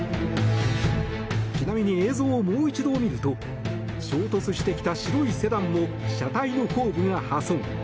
ちなみに映像をもう一度見ると衝突してきた白いセダンも車体の後部が破損。